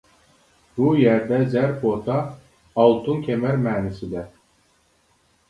بۇ يەردە زەر پوتا ئالتۇن كەمەر مەنىسىدە.